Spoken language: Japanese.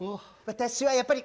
私はやっぱりパリ！